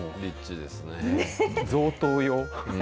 贈答用。